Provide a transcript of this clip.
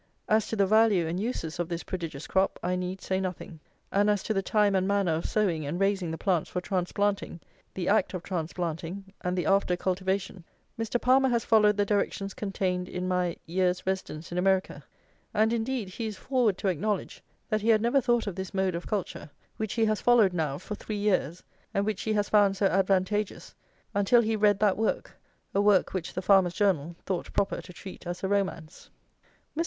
As to the value and uses of this prodigious crop I need say nothing; and as to the time and manner of sowing and raising the plants for transplanting, the act of transplanting, and the after cultivation, Mr. PALMER has followed the directions contained in my "Year's Residence in America;" and, indeed, he is forward to acknowledge that he had never thought of this mode of culture, which he has followed now for three years, and which he has found so advantageous, until he read that work, a work which the Farmer's Journal thought proper to treat as a romance. Mr.